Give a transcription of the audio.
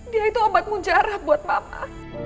dia itu obat muncarah buat mama